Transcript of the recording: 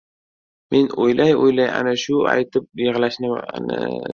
Men o‘ylay-o‘ylay, ana shu aytib yig‘lashni esladim.